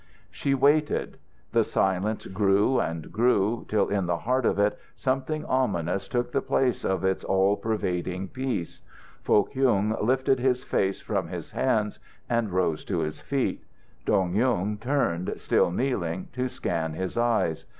She waited. The silence grew and grew till in the heart of it something ominous took the place of its all pervading peace. Foh Kyung lifted his face from his hands and rose to his feet. Dong Yung turned, still kneeling, to scan his eyes.